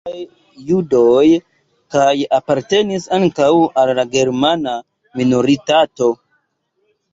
La gepatroj estis malriĉaj judoj kaj apartenis ankaŭ al la germana minoritato.